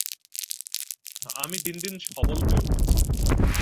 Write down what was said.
আমি দিন দিন সবল হয়ে উঠছি।